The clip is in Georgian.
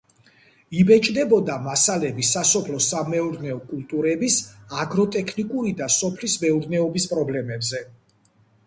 იბეჭდებოდა მასალები სასოფლო-სამეურნეო კულტურების აგროტექნიკური და სოფლის მეურნეობის პრობლემებზე.